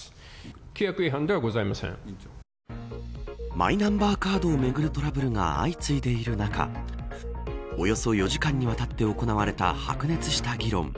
マイナンバーカードをめぐるトラブルが相次いでいる中およそ４時間にわたって行われた白熱した議論。